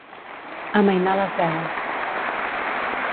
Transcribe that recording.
Amainar les veles.